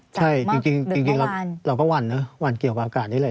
ใช่จริงเราก็หวั่นนะวันเกี่ยวกับอากาศนี้เลย